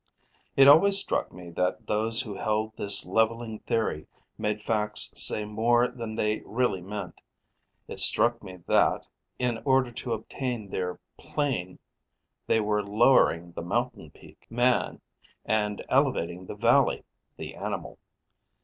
It always struck me that those who held this levelling theory made facts say more than they really meant; it struck me that, in order to obtain their plain, they were lowering the mountain peak, man, and elevating the valley, the animal.